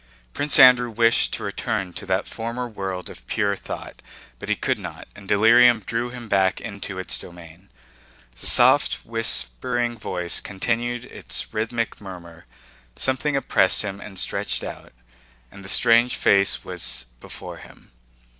Prince Andrew wished to return to that former world of pure thought, but he could not, and delirium drew him back into its domain. The soft whispering voice continued its rhythmic murmur, something oppressed him and stretched out, and the strange face was before him.